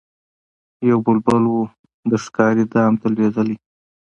یو بلبل وو د ښکاري دام ته لوېدلی